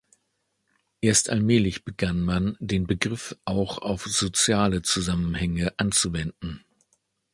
Erst allmählich begann man, den Begriff auch auf soziale Zusammenhänge anzuwenden.